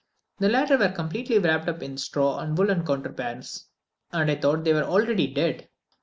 The latter were completely wrapped up in straw and woollen counterpanes, and I thought they were already dead.